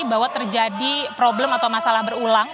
bahwa terjadi problem atau masalah berulang